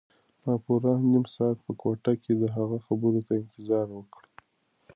ما پوره نیم ساعت په کوټه کې د هغه خبرو ته انتظار وکړ.